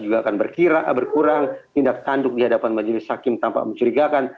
juga akan berkurang tindak tanduk di hadapan majelis hakim tampak mencurigakan